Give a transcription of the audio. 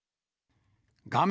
画面